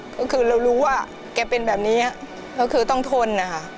ก็คือเรารู้ว่าแกเป็นแบบนี้ก็คือต้องทนนะคะ